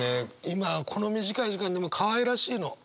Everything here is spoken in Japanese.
今この短い時間でもかわいらしいの。